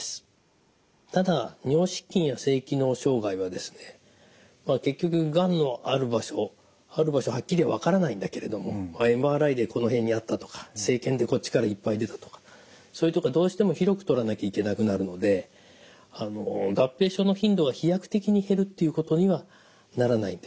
ただ尿失禁や性機能障害はですね結局がんのある場所ある場所はっきり分からないんだけれどもＭＲＩでこの辺にあったとか生検でこっちからいっぱい出たとかそういう所はどうしても広く取らなきゃいけなくなるので合併症の頻度は飛躍的に減るっていうことにはならないんですね。